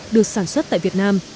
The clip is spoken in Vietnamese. được sản xuất tại việt nam